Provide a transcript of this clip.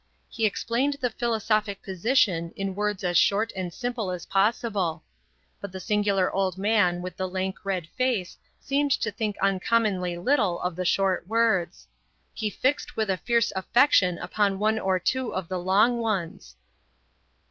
He explained the philosophic position in words as short and simple as possible. But the singular old man with the lank red face seemed to think uncommonly little of the short words. He fixed with a fierce affection upon one or two of the long ones.